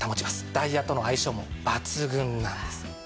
ダイヤとの相性も抜群なんです。